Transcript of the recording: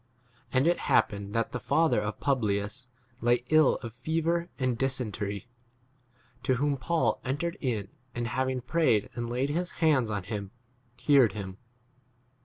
And it hap pened that the father of Publius lay ill of fever and dysentery, to whom Paul entered in, and having prayed and laid his hands on him 9 cured him.